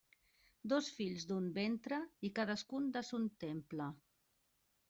Dos fills d'un ventre i cadascun de son temple.